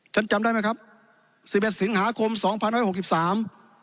จำได้ไหมครับสิบเอ็ดสิงหาคมสองพันร้อยหกสิบสาม